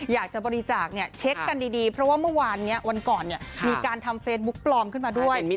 อยากจะบริจาคเนี่ยเช็คกันดีเพราะว่าเมื่อวานนี้วันก่อนเนี่ยมีการทำเฟซบุ๊กปลอมขึ้นมาด้วย